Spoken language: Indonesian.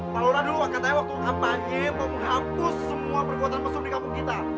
pak lurah dulu mah katanya waktu nabanya mau menghapus semua perkuatan pesum di kampung kita